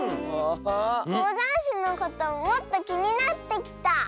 こうだんしのこともっときになってきた！